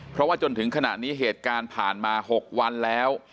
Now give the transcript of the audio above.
เพราะว่าจนถึงขณะนี้เหตุการณ์ผ่านมา๖วันแล้ว